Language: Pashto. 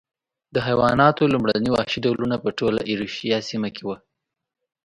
د حیواناتو لومړني وحشي ډولونه په ټوله ایرویشیا سیمه کې و.